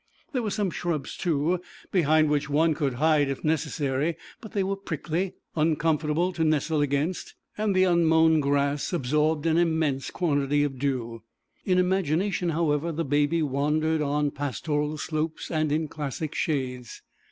There were some shrubs too, behind which one could hide if necessary, but they were prickly, uncomfortable to nestle against, and the unmown grass absorbed an immense quantity of dew. In imagination, however, the Baby wandered on pastoral slopes and in classic shades.